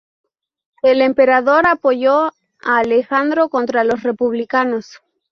El emperador apoyó a Alejandro contra los republicanos.